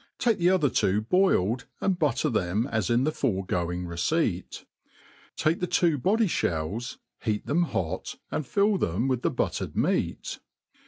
Take the other two boiled, and butter them as in the foregoing receipt. Take the two body (hells, heat them hot, and fill them with the buttered meat.